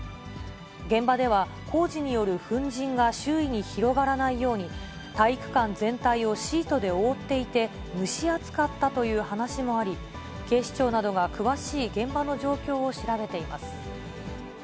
現場では、工事による粉じんが周囲に広がらないように、体育館全体をシートで覆っていて、蒸し暑かったという話もあり、警視庁などが詳しい現場の状況を調べています。